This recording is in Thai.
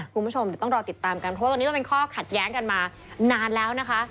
คุณผู้ชมเดี๋ยวต้องรอติดตามกันเพราะว่าตรงนี้มันเป็นข้อขัดแย้งกันมานานแล้วนะคะ